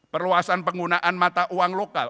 perluasan penggunaan mata uang lokal